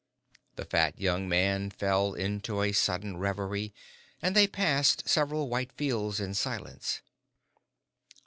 The fat young man fell into a sudden reverie, and they passed several white fields in silence.